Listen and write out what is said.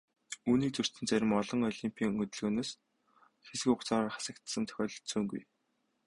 Үүнийг зөрчсөн зарим орон олимпын хөдөлгөөнөөс хэсэг хугацаагаар хасагдсан тохиолдол ч цөөнгүй.